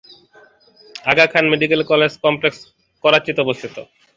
আগা Khan medical complex করাচিতে অবস্থিত।